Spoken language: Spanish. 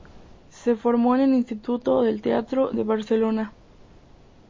Se formó en el Instituto del Teatro de Barcelona.